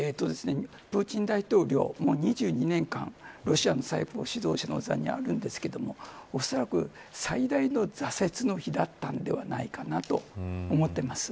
プーチン大統領もう２２年間、ロシアの最高指導者の座にあるんですけどおそらく、最大の挫折の日だったんではないかなと思ってます。